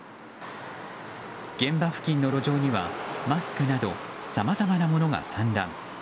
現場付近の路上にはマスクなどさまざまなものが散乱。